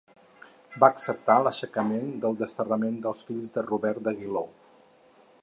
Va acceptar l'aixecament del desterrament dels fills de Robert d'Aguiló.